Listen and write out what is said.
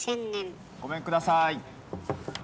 ごめんください。